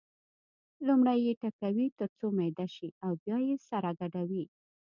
لومړی یې ټکوي تر څو میده شي او بیا یې سره ګډوي.